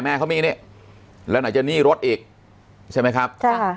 แม่เขามีนี่แล้วหน่อยจะหนี้รถอีกใช่ไหมครับ